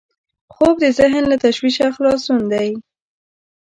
خوب د ذهن له تشویشه خلاصون دی